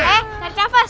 eh tarik nafas